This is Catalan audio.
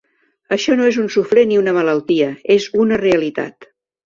Això no és un suflé ni una malaltia, és una realitat.